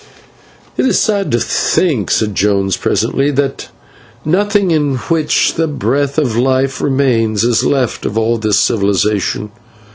"It is sad to think," said Jones presently, "that nothing in which the breath of life remains is left of all this civilisation.